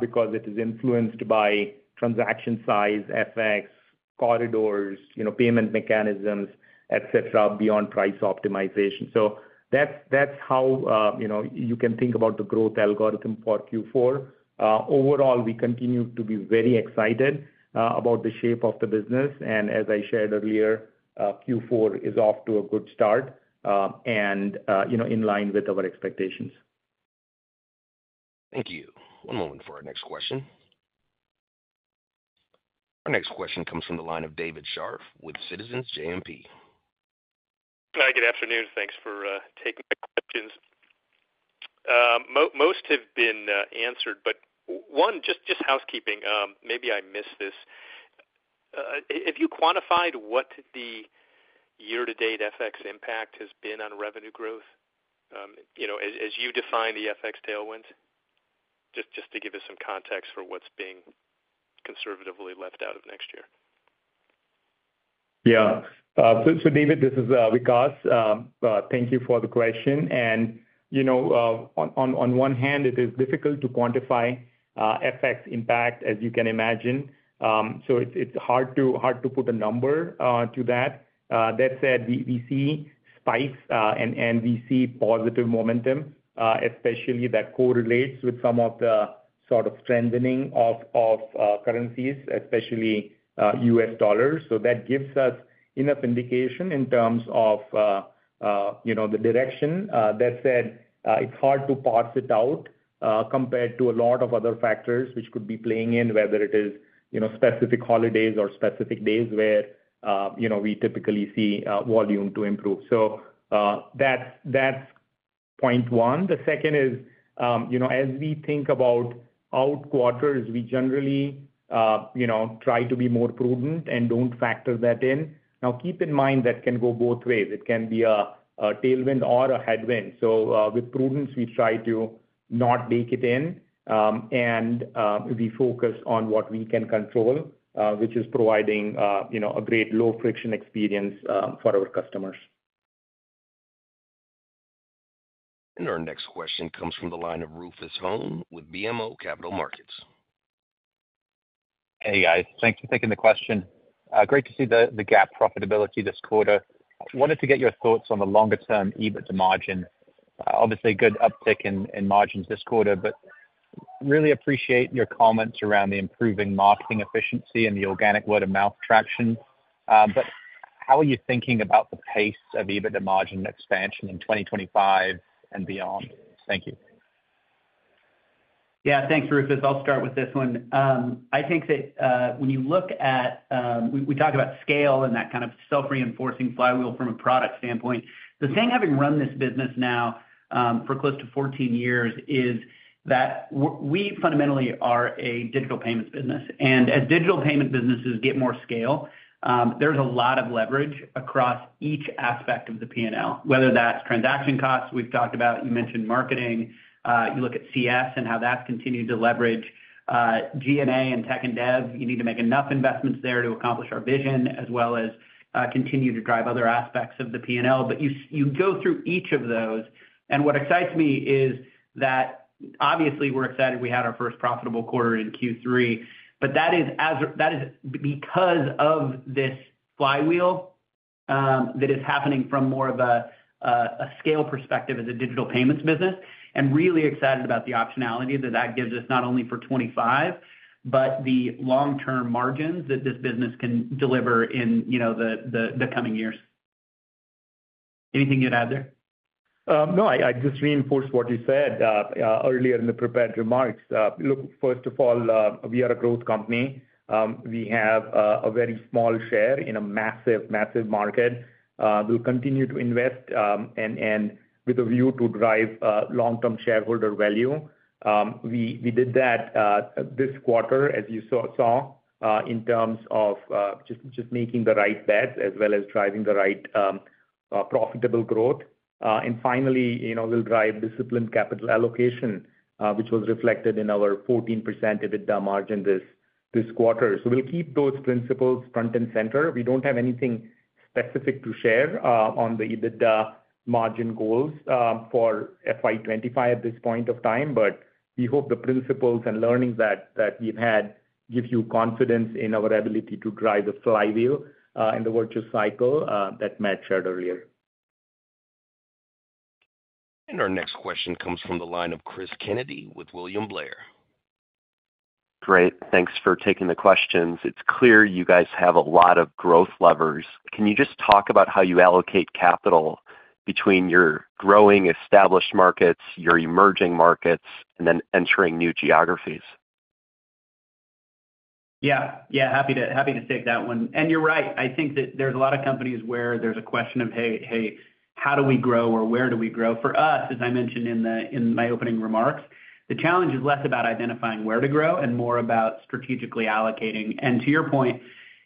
Speaker 4: because it is influenced by transaction size, FX, corridors, payment mechanisms, etc., beyond price optimization. So that's how you can think about the growth algorithm for Q4. Overall, we continue to be very excited about the shape of the business. And as I shared earlier, Q4 is off to a good start and in line with our expectations.
Speaker 1: Thank you. One moment for our next question. Our next question comes from the line of David Scharf with Citizens JMP.
Speaker 10: Hi, good afternoon. Thanks for taking my questions. Most have been answered, but one, just housekeeping, maybe I missed this. Have you quantified what the year-to-date FX impact has been on revenue growth as you define the FX tailwinds? Just to give us some context for what's being conservatively left out of next year.
Speaker 4: Yeah. So David, this is Vikas. Thank you for the question. And on one hand, it is difficult to quantify FX impact, as you can imagine. So it's hard to put a number to that. That said, we see spikes and we see positive momentum, especially that correlates with some of the sort of strengthening of currencies, especially U.S. dollars. So that gives us enough indication in terms of the direction. That said, it's hard to parse it out compared to a lot of other factors which could be playing in, whether it is specific holidays or specific days where we typically see volume to improve. So that's point one. The second is, as we think about our quarters, we generally try to be more prudent and don't factor that in. Now, keep in mind that can go both ways. It can be a tailwind or a headwind. So with prudence, we try to not bake it in, and we focus on what we can control, which is providing a great low-friction experience for our customers.
Speaker 1: And our next question comes from the line of Rufus Hone with BMO Capital Markets.
Speaker 11: Hey, guys. Thanks for taking the question. Great to see the GAAP profitability this quarter. Wanted to get your thoughts on the longer-term EBITDA margin. Obviously, good uptick in margins this quarter, but really appreciate your comments around the improving marketing efficiency and the organic word-of-mouth traction. But how are you thinking about the pace of EBITDA margin expansion in 2025 and beyond? Thank you.
Speaker 3: Yeah. Thanks, Rufus. I'll start with this one. I think that when you look at we talk about scale and that kind of self-reinforcing flywheel from a product standpoint. The thing, having run this business now for close to 14 years, is that we fundamentally are a digital payments business. And as digital payment businesses get more scale, there's a lot of leverage across each aspect of the P&L, whether that's transaction costs we've talked about. You mentioned marketing. You look at CS and how that's continued to leverage. G&A and tech and dev, you need to make enough investments there to accomplish our vision as well as continue to drive other aspects of the P&L, but you go through each of those. And what excites me is that obviously, we're excited we had our first profitable quarter in Q3, but that is because of this flywheel that is happening from more of a scale perspective as a digital payments business and really excited about the optionality that that gives us not only for 2025, but the long-term margins that this business can deliver in the coming years. Anything you'd add there?
Speaker 4: No, I just reinforce what you said earlier in the prepared remarks. Look, first of all, we are a growth company. We have a very small share in a massive, massive market. We'll continue to invest and with a view to drive long-term shareholder value. We did that this quarter, as you saw, in terms of just making the right bets as well as driving the right profitable growth.
Speaker 2: And finally, we'll drive disciplined capital allocation, which was reflected in our 14% EBITDA margin this quarter. So we'll keep those principles front and center. We don't have anything specific to share on the EBITDA margin goals for FY2025 at this point of time, but we hope the principles and learnings that we've had give you confidence in our ability to drive the flywheel in the virtuous cycle that Matt shared earlier.
Speaker 1: And our next question comes from the line of Cris Kennedy with William Blair.
Speaker 12: Great. Thanks for taking the questions. It's clear you guys have a lot of growth levers. Can you just talk about how you allocate capital between your growing established markets, your emerging markets, and then entering new geographies?
Speaker 3: Yeah. Yeah. Happy to take that one. And you're right. I think that there's a lot of companies where there's a question of, "Hey, how do we grow or where do we grow?" For us, as I mentioned in my opening remarks, the challenge is less about identifying where to grow and more about strategically allocating. And to your point,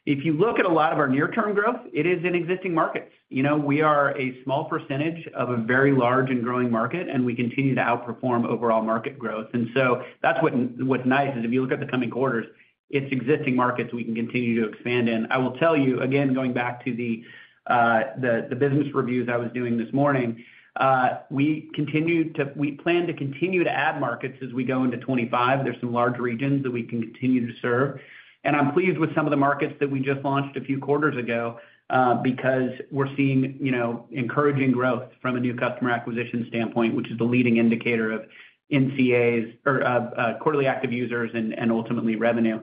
Speaker 3: if you look at a lot of our near-term growth, it is in existing markets. We are a small percentage of a very large and growing market, and we continue to outperform overall market growth. And so that's what's nice is if you look at the coming quarters, it's existing markets we can continue to expand in. I will tell you, again, going back to the business reviews I was doing this morning, we plan to continue to add markets as we go into 2025. There's some large regions that we can continue to serve. And I'm pleased with some of the markets that we just launched a few quarters ago because we're seeing encouraging growth from a new customer acquisition standpoint, which is the leading indicator of quarterly active users and ultimately revenue.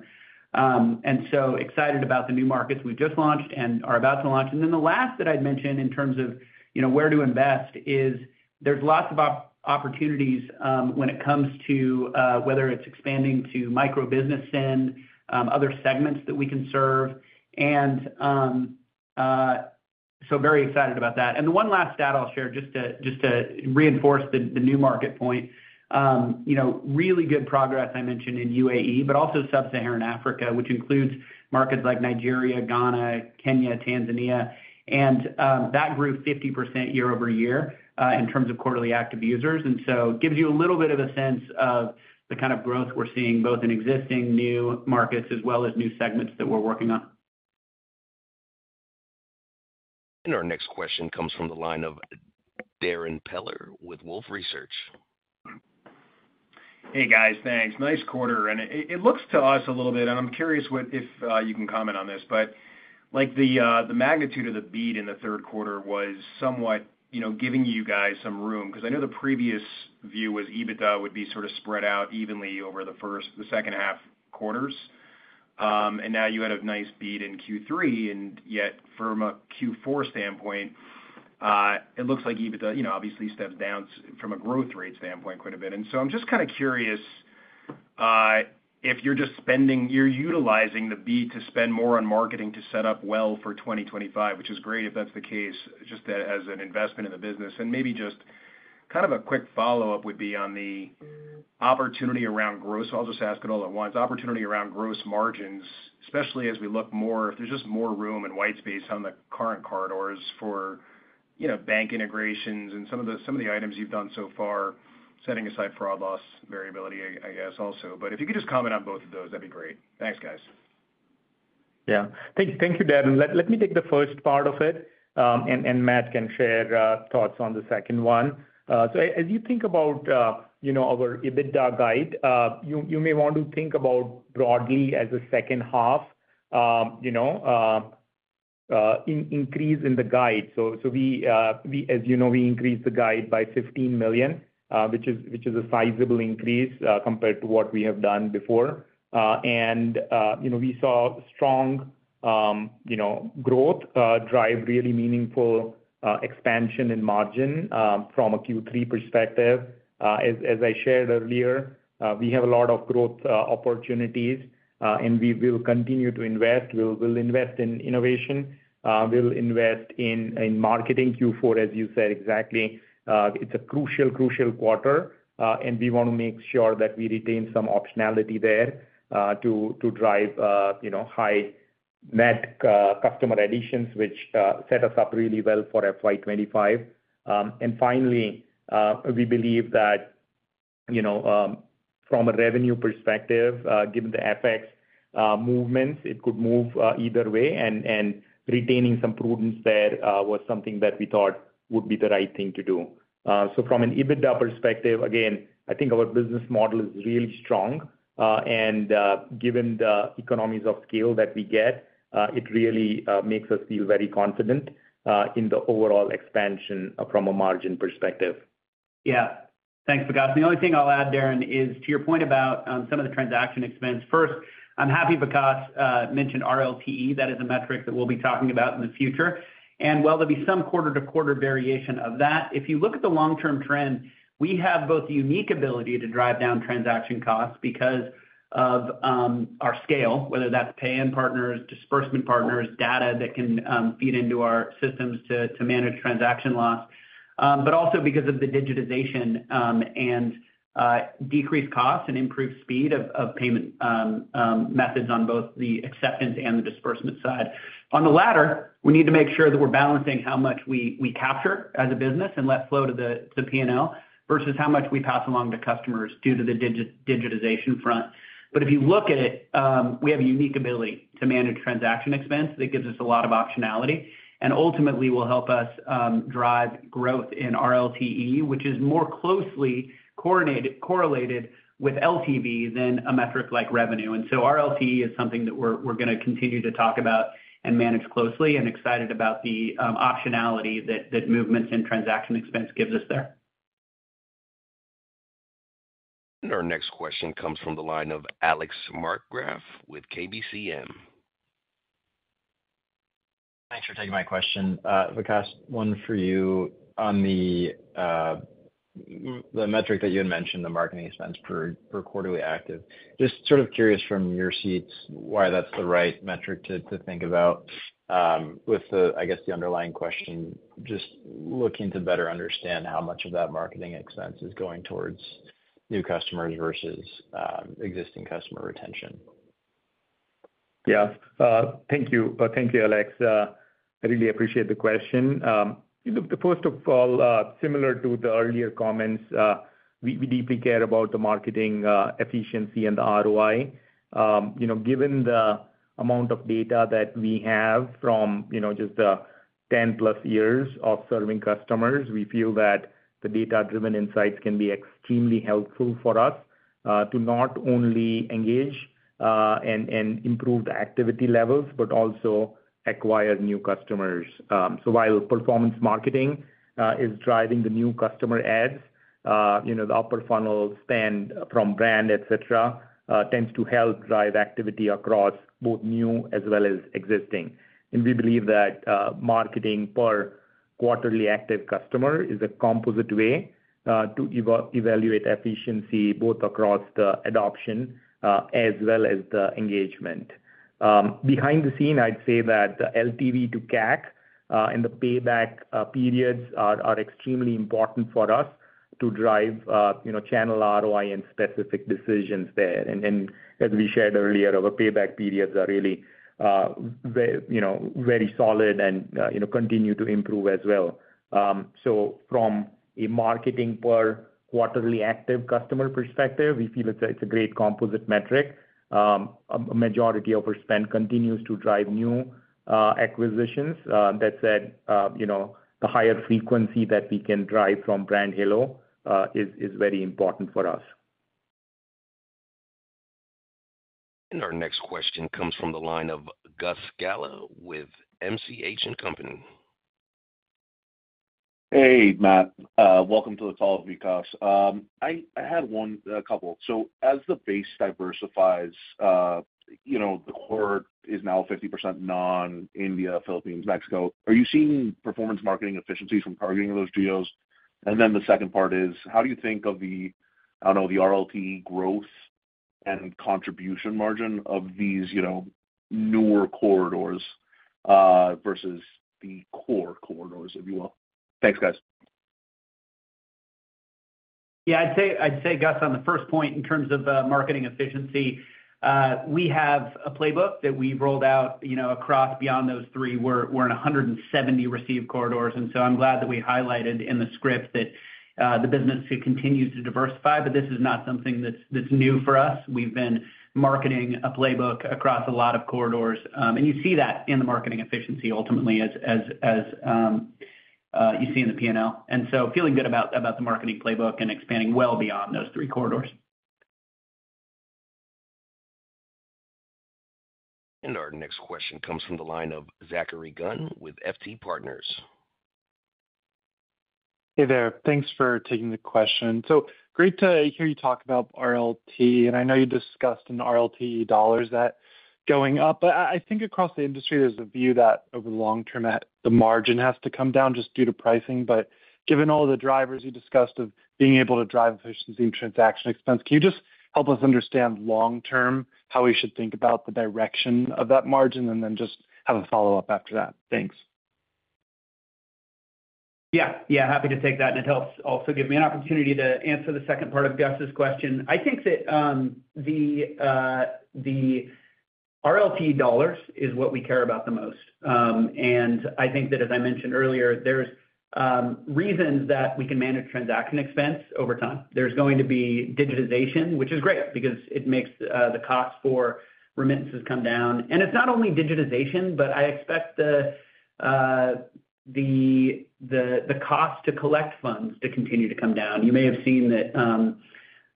Speaker 3: And so excited about the new markets we've just launched and are about to launch. And then the last that I'd mentioned in terms of where to invest is there's lots of opportunities when it comes to whether it's expanding to micro-business send, other segments that we can serve. And so very excited about that. And the one last stat I'll share just to reinforce the new market point. Really good progress, I mentioned, in UAE, but also Sub-Saharan Africa, which includes markets like Nigeria, Ghana, Kenya, Tanzania. And that grew 50% year-over-year in terms of quarterly active users. And so it gives you a little bit of a sense of the kind of growth we're seeing both in existing new markets as well as new segments that we're working on.
Speaker 1: And our next question comes from the line of Darrin Peller with Wolfe Research.
Speaker 13: Hey, guys. Thanks. Nice quarter. And it looks to us a little bit, and I'm curious if you can comment on this, but the magnitude of the beat in the Q3 was somewhat giving you guys some room because I know the previous view was EBITDA would be sort of spread out evenly over the second half quarters. And now you had a nice beat in Q3, and yet from a Q4 standpoint, it looks like EBITDA obviously steps down from a growth rate standpoint quite a bit. And so I'm just kind of curious if you're just spending, you're utilizing the beat to spend more on marketing to set up well for 2025, which is great if that's the case, just as an investment in the business. And maybe just kind of a quick follow-up would be on the opportunity around gross. I'll just ask it all at once. Opportunity around gross margins, especially as we look more if there's just more room and white space on the current corridors for bank integrations and some of the items you've done so far, setting aside fraud loss variability, I guess, also. But if you could just comment on both of those, that'd be great. Thanks, guys.
Speaker 4: Yeah. Thank you, Darrin. Let me take the first part of it, and Matt can share thoughts on the second one. As you think about our EBITDA guide, you may want to think about broadly as a second half increase in the guide. As you know, we increased the guide by $15 million, which is a sizable increase compared to what we have done before. We saw strong growth drive really meaningful expansion in margin from a Q3 perspective. As I shared earlier, we have a lot of growth opportunities, and we will continue to invest. We'll invest in innovation. We'll invest in marketing Q4, as you said exactly. It's a crucial, crucial quarter, and we want to make sure that we retain some optionality there to drive high net customer additions, which set us up really well for FY2025. And finally, we believe that from a revenue perspective, given the FX movements, it could move either way, and retaining some prudence there was something that we thought would be the right thing to do. So from an EBITDA perspective, again, I think our business model is really strong. And given the economies of scale that we get, it really makes us feel very confident in the overall expansion from a margin perspective.
Speaker 3: Yeah. Thanks, Vikas. The only thing I'll add, Darrin, is to your point about some of the transaction expense. First, I'm happy Vikas mentioned RLTE. That is a metric that we'll be talking about in the future. While there'll be some quarter-to-quarter variation of that, if you look at the long-term trend, we have both the unique ability to drive down transaction costs because of our scale, whether that's pay-in partners, disbursement partners, data that can feed into our systems to manage transaction loss, but also because of the digitization and decreased costs and improved speed of payment methods on both the acceptance and the disbursement side. On the latter, we need to make sure that we're balancing how much we capture as a business and let flow to the P&L versus how much we pass along to customers due to the digitization front. But if you look at it, we have a unique ability to manage transaction expense that gives us a lot of optionality and ultimately will help us drive growth in RLTE, which is more closely correlated with LTV than a metric like revenue. And so RLTE is something that we're going to continue to talk about and manage closely, and excited about the optionality that movements and transaction expense gives us there. And our next question comes from the line of Alex Markgraff with KBCM.
Speaker 14: Thanks for taking my question, Vikas. One for you on the metric that you had mentioned, the marketing expense per quarterly active. Just sort of curious from your seats why that's the right metric to think about with, I guess, the underlying question, just looking to better understand how much of that marketing expense is going towards new customers versus existing customer retention.
Speaker 4: Yeah. Thank you. Thank you, Alex. I really appreciate the question. Look, first of all, similar to the earlier comments, we deeply care about the marketing efficiency and the ROI. Given the amount of data that we have from just the 10-plus years of serving customers, we feel that the data-driven insights can be extremely helpful for us to not only engage and improve the activity levels, but also acquire new customers. So while performance marketing is driving the new customer ads, the upper funnel spend from brand, etc., tends to help drive activity across both new as well as existing. And we believe that marketing per quarterly active customer is a composite way to evaluate efficiency both across the adoption as well as the engagement. Behind the scenes, I'd say that the LTV to CAC and the payback periods are extremely important for us to drive channel ROI and specific decisions there. As we shared earlier, our payback periods are really very solid and continue to improve as well. From a marketing per quarterly active customer perspective, we feel it's a great composite metric. A majority of our spend continues to drive new acquisitions. That said, the higher frequency that we can drive from brand halo is very important for us.
Speaker 1: Our next question comes from the line of Gus Gallo with Jefferies. Hey, Matt. Welcome to the call, Vikas. I had a couple. As the base diversifies, the quarter is now 50% non-India, Philippines, Mexico. Are you seeing performance marketing efficiencies from targeting those GOs? And then the second part is, how do you think of the, I don't know, the RLTE growth and contribution margin of these newer corridors versus the core corridors, if you will? Thanks, guys.
Speaker 3: Yeah. I'd say, Gus, on the first point in terms of marketing efficiency, we have a playbook that we've rolled out across beyond those three. We're in 170 receive corridors. And so I'm glad that we highlighted in the script that the business continues to diversify, but this is not something that's new for us. We've been marketing a playbook across a lot of corridors. And you see that in the marketing efficiency, ultimately, as you see in the P&L. And so feeling good about the marketing playbook and expanding well beyond those three corridors.
Speaker 1: And our next question comes from the line of Zachary Gunn with FT Partners.
Speaker 15: Hey there. Thanks for taking the question. So great to hear you talk about RLTE. And I know you discussed in RLTE dollars that going up, but I think across the industry, there's a view that over the long term, the margin has to come down just due to pricing. But given all the drivers you discussed of being able to drive efficiency in transaction expense, can you just help us understand long-term how we should think about the direction of that margin and then just have a follow-up after that? Thanks.
Speaker 3: Yeah. Yeah. Happy to take that. And it helps also give me an opportunity to answer the second part of Gus's question. I think that the RLTE dollars is what we care about the most. And I think that, as I mentioned earlier, there's reasons that we can manage transaction expense over time. There's going to be digitization, which is great because it makes the cost for remittances come down, and it's not only digitization, but I expect the cost to collect funds to continue to come down. You may have seen that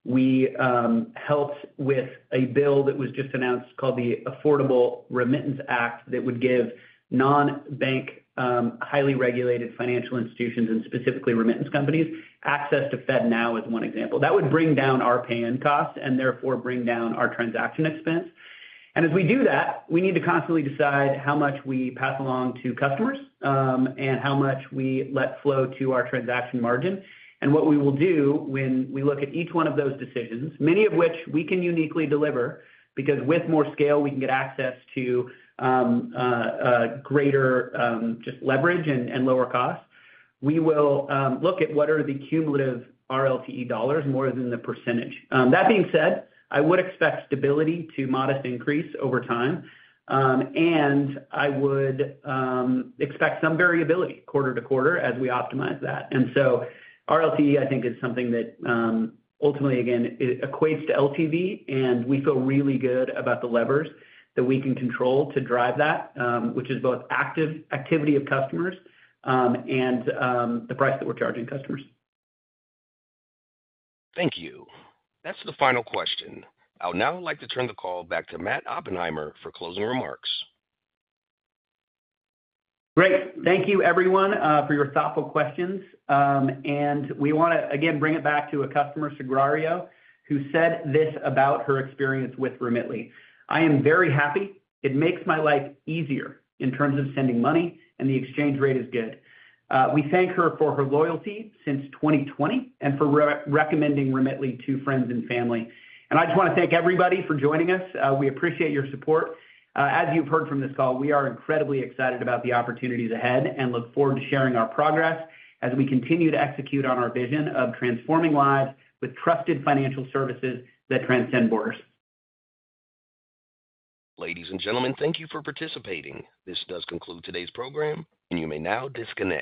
Speaker 3: we helped with a bill that was just announced called the Affordable Remittance Act that would give non-bank, highly regulated financial institutions, and specifically remittance companies access to FedNow as one example. That would bring down our pay and costs and therefore bring down our transaction expense, and as we do that, we need to constantly decide how much we pass along to customers and how much we let flow to our transaction margin. And what we will do, when we look at each one of those decisions, many of which we can uniquely deliver because with more scale, we can get access to greater just leverage and lower costs, we will look at what are the cumulative RLTE dollars more than the percentage. That being said, I would expect stability to modest increase over time. And I would expect some variability quarter to quarter as we optimize that. And so RLTE, I think, is something that ultimately, again, equates to LTV. And we feel really good about the levers that we can control to drive that, which is both activity of customers and the price that we're charging customers.
Speaker 1: Thank you. That's the final question. I'll now like to turn the call back to Matt Oppenheimer for closing remarks.
Speaker 3: Great. Thank you, everyone, for your thoughtful questions. And we want to, again, bring it back to a customer, Sagrario, who said this about her experience with Remitly. "I am very happy. It makes my life easier in terms of sending money, and the exchange rate is good." We thank her for her loyalty since 2020 and for recommending Remitly to friends and family. And I just want to thank everybody for joining us. We appreciate your support. As you've heard from this call, we are incredibly excited about the opportunities ahead and look forward to sharing our progress as we continue to execute on our vision of transforming lives with trusted financial services that transcend borders.
Speaker 1: Ladies and gentlemen, thank you for participating. This does conclude today's program, and you may now disconnect.